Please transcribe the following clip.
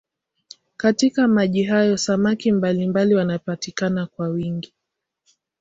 Katika maji hayo samaki mbalimbali wanapatikana kwa wingi.